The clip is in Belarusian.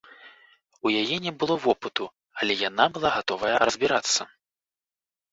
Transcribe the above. У яе не было вопыту, але яна была гатовая разбірацца.